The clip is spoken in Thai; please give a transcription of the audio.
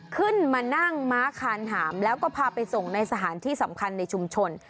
ขึ้นมานั่งม้าคานหามแล้วก็พาไปส่งในสถานที่สำคัญในชุมชน